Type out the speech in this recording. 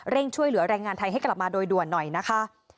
ช่วยเหลือแรงงานไทยให้กลับมาโดยด่วนหน่อยนะคะ